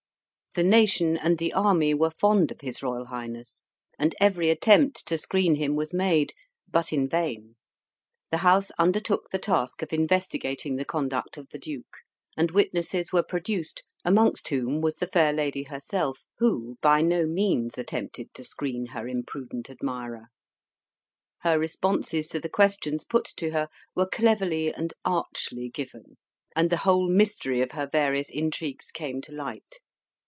The nation and the army were fond of his Royal Highness, and every attempt to screen him was made; but in vain. The House undertook the task of investigating the conduct of the duke, and witnesses were produced, amongst whom was the fair lady herself, who by no means attempted to screen her imprudent admirer. Her responses to the questions put to her were cleverly and archly given, and the whole mystery of her various intrigues came to light.